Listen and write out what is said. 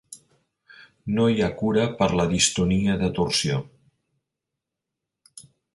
No hi ha cura per la distonia de torsió.